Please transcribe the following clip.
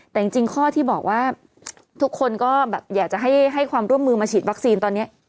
แต่จริงข้อที่บอกว่าทุกคนก็แบบอยากจะให้ความร่วมมือมาฉีดวัคซีนตอนนี้